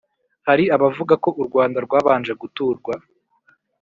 hari abavuga ko u rwanda rwabanje guturwa